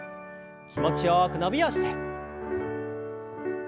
気持ちよく伸びをして。